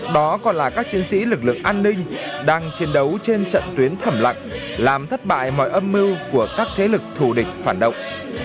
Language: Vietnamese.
đó còn là các chiến sĩ lực lượng an ninh đang chiến đấu trên trận tuyến thẩm lặng làm thất bại mọi âm mưu của các thế lực thù địch phản động